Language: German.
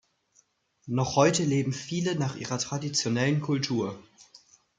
Noch heute leben viele nach ihrer traditionellen Kultur.